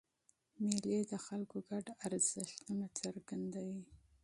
مېلې د خلکو ګډ ارزښتونه څرګندوي.